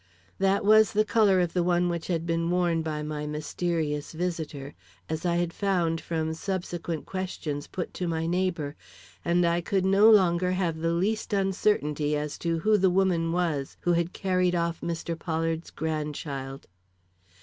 That was the color of the one which had been worn by my mysterious visitor, as I had found from subsequent questions put to my neighbor, and I could no longer have the least uncertainty as to who the woman was who had carried off Mr. Pollard's grandchild.